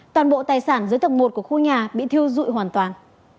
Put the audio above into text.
toàn bộ tài sản dưới tầng một của khu nhà bị thiêu dụi hoàn toàn